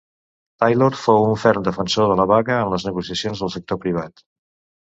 Taylor fou un ferm defensor de la vaga en les negociacions del sector privat.